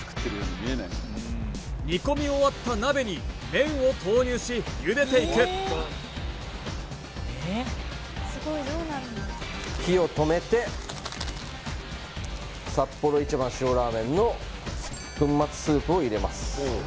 煮込み終わった鍋に麺を投入し茹でていくサッポロ一番塩らーめんの粉末スープを入れます